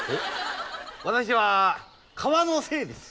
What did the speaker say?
私は川の精です。